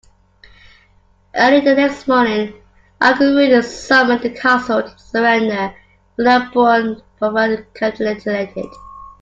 Early the next morning Augereau summoned the castle to surrender, whereupon Provera capitulated.